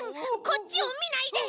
こっちをみないで！